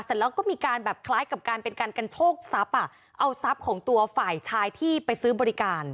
เสร็จแล้วก็มีการแบบคล้ายกับการเป็นการกันโชคทรัพย์อ่ะเอาทรัพย์ของตัวฝ่ายชายที่ไปซื้อบริการ